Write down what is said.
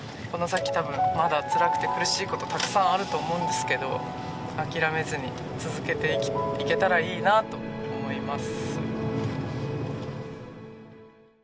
たぶんまだつらくて苦しいことたくさんあると思うんですけど諦めずに続けていけたらいいなと思います。